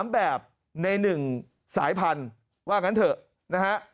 ๓แบบใน๑สายพันธุ์ว่างั้นเถอะนะฮะ